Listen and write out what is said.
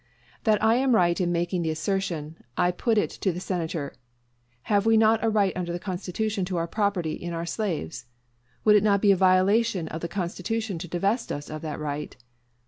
That I am right in making the assertion, I put it to the Senator Have we not a right under the Constitution to our property in our slaves? Would it not be a violation of the Constitution to divest us of that right?